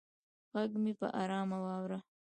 غږ مې په ارامه واوره